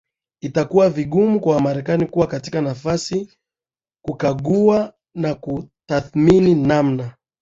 itakuwa vigumu kwa marekani kuwa katika nafasi kukagua na kutathmini namna